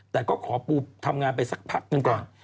แต่ก็ขอปูทำงานไปสักพักหนึ่งก่อน